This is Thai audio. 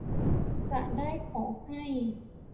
ยังได้ขอให้